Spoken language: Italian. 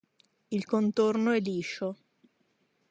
Il contorno è liscio.